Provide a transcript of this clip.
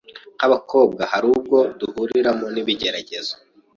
nk’ abakobwa hari ubwo duhuriramo n’ ibigeragezo